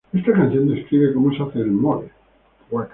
Esta canción describe como se hace el mole.